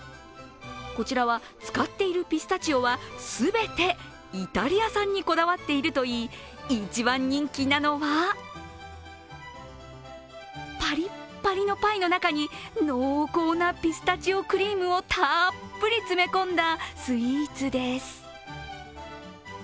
こちらは使っているピスタチオは全てイタリア産にこだわっているといい、一番人気なのがパリパリのパイの中に濃厚なピスタチオクリームをたっぷり詰め込んだスイーツです。